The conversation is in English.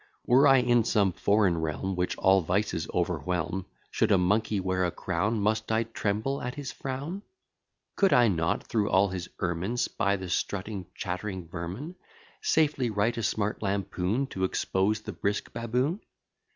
Were I in some foreign realm, Which all vices overwhelm; Should a monkey wear a crown, Must I tremble at his frown? Could I not, through all his ermine, 'Spy the strutting chattering vermin; Safely write a smart lampoon, To expose the brisk baboon?